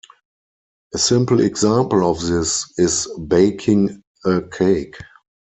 A simple example of this is baking a cake.